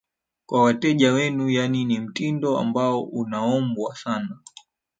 kwa wateja wenu yani ni mtindo ambao unaombwa sana